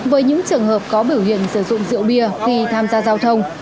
với những trường hợp có biểu hiện sử dụng rượu bia khi tham gia giao thông